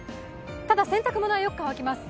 ただ、洗濯物はよく乾きます。